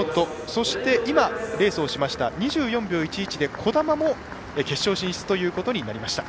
そして、今レースをしました２４秒１１で兒玉も決勝進出になりました。